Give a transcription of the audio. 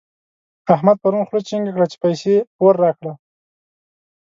احمد پرون خوله چينګه کړه چې پيسې پور راکړه.